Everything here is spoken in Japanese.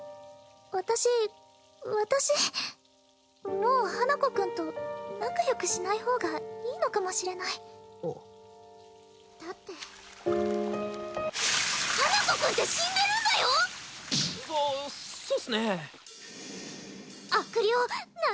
私私もう花子くんと仲良くしない方がいいのかもしれないあっだって花子くんって死んでるんだよそそうっすね悪霊七